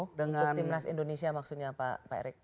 untuk timnas indonesia maksudnya pak erick